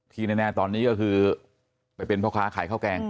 แน่ตอนนี้ก็คือไปเป็นพ่อค้าขายข้าวแกง